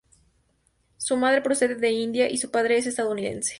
Su madre procede de India y su padre es estadounidense.